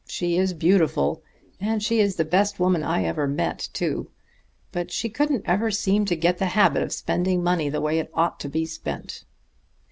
She is beautiful, and she is the best woman I ever met, too. But she couldn't ever seem to get the habit of spending money the way it ought to be spent."